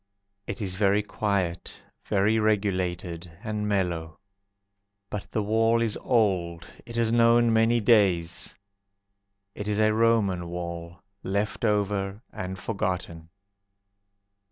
It is very quiet, Very regulated and mellow. But the wall is old, It has known many days. It is a Roman wall, Left over and forgotten.